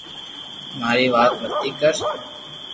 ماري وات متي ڪر